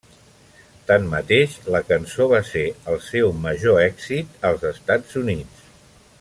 Tanmateix, la cançó va ser el seu major èxit als Estats Units.